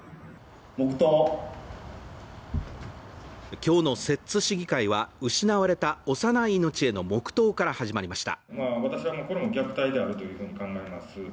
今日の摂津市議会は失われた幼い命への黙とうから始まりました。